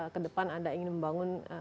kedepan anda ingin membangun